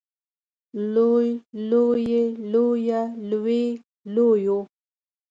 لوی لویې لويه لوې لويو